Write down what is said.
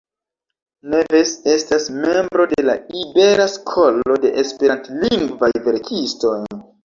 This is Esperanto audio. Neves estas membro de la Ibera Skolo de Esperantlingvaj verkistoj.